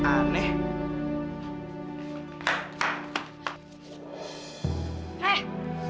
kau mau ke rumah